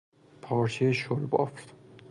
پارچهی شل بافت